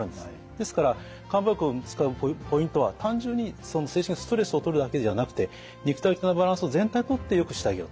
ですから漢方薬を使うポイントは単純に精神的なストレスをとるだけではなくて肉体的なバランスを全体にとってよくしてあげようと。